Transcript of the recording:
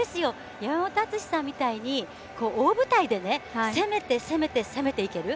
山本篤さんみたいに大舞台で攻めて、攻めて攻めていける。